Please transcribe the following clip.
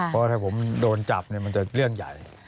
เพราะถ้าผมโดนจับมันจะเรื่องใหญ่